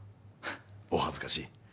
お恥ずかしい。